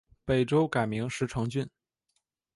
北周改名石城郡。